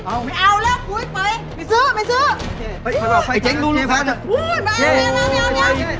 เอาไม่เอาแล้วไปไปซื้อไปซื้อไปไปไปไปไปไป